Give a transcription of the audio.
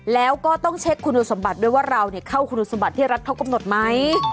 แล้วก็ต้องเช็คคุณสมบัติด้วยว่าเราเข้าคุณสมบัติที่รัฐเขากำหนดไหม